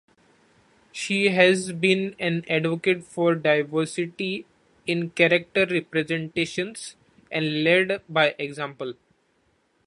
She has been an advocate for diversity in character representations and led by example.